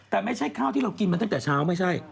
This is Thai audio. แต่ไม่ใช่ข้าวที่เรากินมาตั้งแต่เช้าไม่ใช่